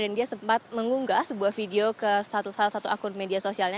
dan dia sempat mengunggah sebuah video ke salah satu akun media sosialnya